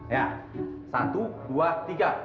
ya satu dua tiga